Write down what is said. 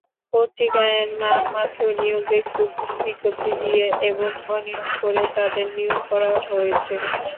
পত্রিকায় নামমাত্র নিয়োগ বিজ্ঞপ্তি দিয়ে এবং অনিয়ম করে তাঁদের নিয়োগ করা হয়েছে।